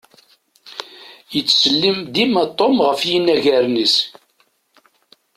Yettsellim dima Tom ɣef yinaragen-is.